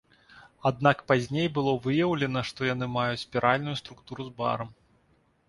Аднак пазней было выяўлена, што яны маюць спіральную структуру з барам.